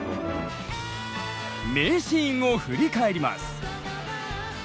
名シーンを振り返ります！